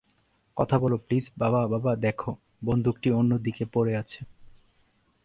কথা বল প্লিজ, বাবা বাবা দেখো, বন্দুকটি অন্য দিকে পড়ে আছে।